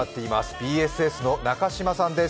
ＢＳＳの中島さんです。